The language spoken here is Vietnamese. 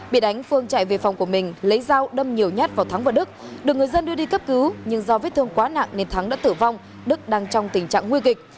bị đánh phương chạy về phòng của mình lấy dao đâm nhiều nhát vào thắng và đức được người dân đưa đi cấp cứu nhưng do vết thương quá nặng nên thắng đã tử vong đức đang trong tình trạng nguy kịch